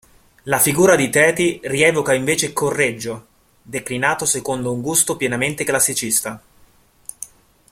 La figura di Teti rievoca invece Correggio, declinato secondo un gusto pienamente classicista.